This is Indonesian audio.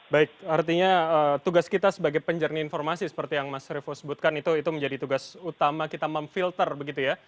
baik artinya tugas kita sebagai penjernih informasi seperti yang mas revo sebutkan itu menjadi tugas utama kita memfilter begitu ya